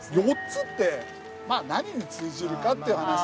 ４つって何に通じるかっていう話。